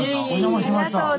お邪魔しました。